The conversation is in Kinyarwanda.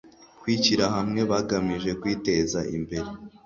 kwishyira hamwe bagamije kwiteza imbere